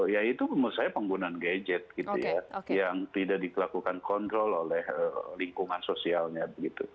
ya itu menurut saya penggunaan gadget gitu ya yang tidak dilakukan kontrol oleh lingkungan sosialnya begitu